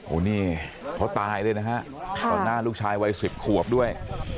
โอ้โหนี่เขาตายเลยนะฮะต่อหน้าลูกชายวัย๑๐ขวบด้วย